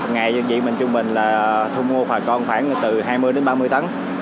ngày đơn vị mình trung bình là thu mua bà con khoảng từ hai mươi ba mươi tấn